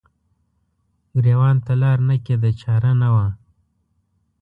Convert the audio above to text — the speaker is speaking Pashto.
ګریوان ته لار نه کیده چار نه وه